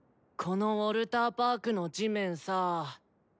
このウォルターパークの地面さぁ。